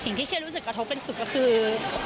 สิ่งที่เชื่อรู้สึกกระทบกันที่สุดก็คือ